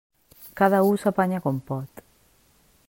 Cada u s'apanya com pot.